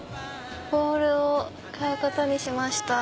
ボウルを買うことにしました。